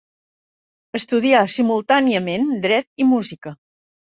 Estudià simultàniament Dret i Música.